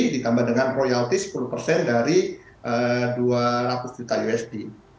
ditambah dengan royalti sepuluh persen dari dua ratus juta usd